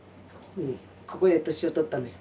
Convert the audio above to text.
ここで年を取ったのよ。